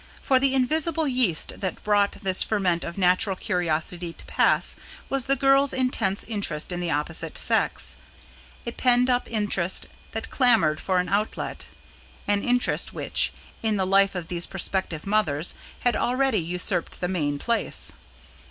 For the invisible yeast that brought this ferment of natural curiosity to pass, was the girls' intense interest in the opposite sex: a penned up interest that clamoured for an outlet; an interest which, in the life of these prospective mothers, had already usurped the main place.